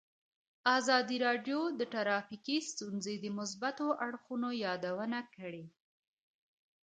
ازادي راډیو د ټرافیکي ستونزې د مثبتو اړخونو یادونه کړې.